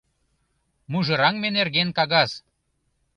— Мужыраҥме нерген кагаз...